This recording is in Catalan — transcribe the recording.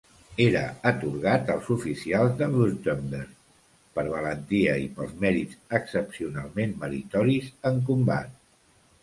Era atorgat als oficials de Württemberg per valentia i pels mèrits excepcionalment meritoris en combat.